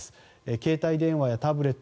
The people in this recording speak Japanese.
携帯電話やタブレット